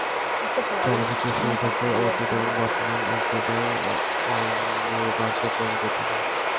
চলচ্চিত্রের শুরু থেকে অতীত এবং বর্তমান এগিয়ে যায় অনিবার্য পরিণতির দিকে।